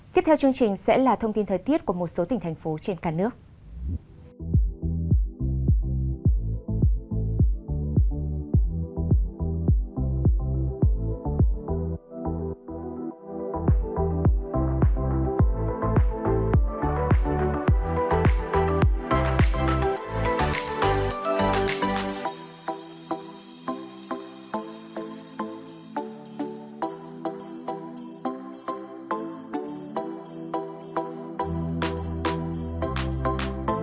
tiếp theo chương trình sẽ là thông tin thời tiết của một số tỉnh thành phố trên cả nước